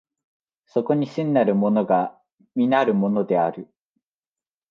そこに真なるものが実なるものである。